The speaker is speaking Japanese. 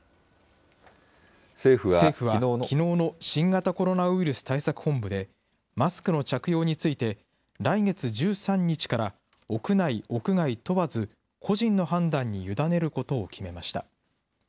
政府は、きのうの新型コロナウイルス対策本部で、マスクの着用について、来月１３日から、屋内・屋外問わず個人の判断に委ねることを決めました。